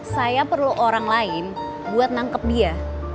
saya perlu orang lain buat nangkep dia